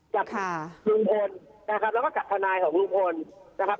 กับลุงพลนะครับแล้วก็กับทนายของลุงพลนะครับ